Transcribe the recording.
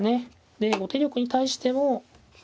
で後手玉に対しても。